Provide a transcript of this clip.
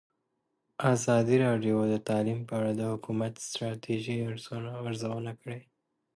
ازادي راډیو د تعلیم په اړه د حکومتي ستراتیژۍ ارزونه کړې.